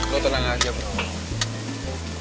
lo tenang aja bro